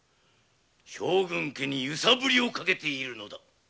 将軍家にゆさぶりをかけているのだ。